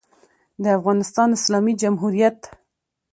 د افغانستان د اسلامي جمهوریت